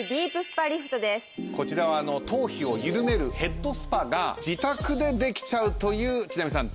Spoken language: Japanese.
こちらは頭皮を緩めるヘッドスパが自宅でできちゃうという千波さん